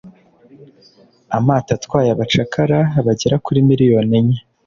amato atwaye abacakara bagera kuri miriyoni enye